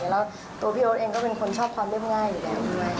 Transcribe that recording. แล้วตัวพี่โอ๊ตเองก็เป็นคนชอบความเรียบง่ายอยู่แล้วด้วย